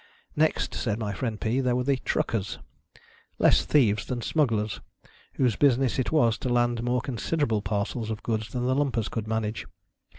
Next, said my friend Pea, there were the Truckers — less thieves than smugglers, whose business it was to land more considerable parcels of goods than the Lumpers could manage.